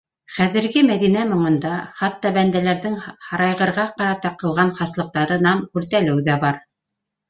Хәҙерге Мәҙинә моңонда хатта бәндәләрҙең һарайғырға ҡарата ҡылған хаслыҡтарынан үртәлеү ҙә бар...